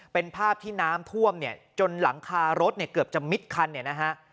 เป็นภาพที่น้ำท่วมจนหลังคารถรถเกือบจะมิดคัน